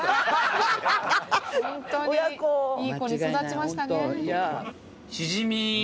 ホントにいい子に育ちましたね。